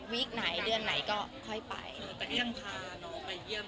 ไหนเดือนไหนก็ค่อยไปแต่ก็ยังพาน้องไปเยี่ยม